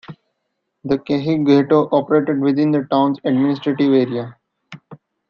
The Cehei ghetto operated within the town's administrative area.